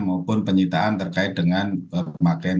maupun penyitaan terkait dengan pemakaian